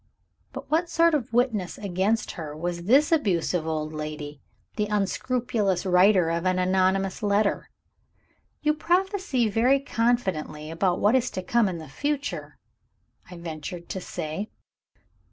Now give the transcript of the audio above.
But what sort of witness against her was this abusive old lady, the unscrupulous writer of an anonymous letter? "You prophesy very confidently about what is to come in the future," I ventured to say.